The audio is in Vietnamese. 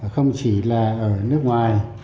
không chỉ là ở nước ngoài